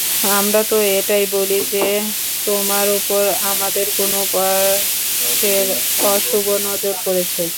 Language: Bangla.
আমরা তো এটাই বলি যে, তোমার উপর আমাদের কোন উপাস্যের অশুভ নজর পড়েছে।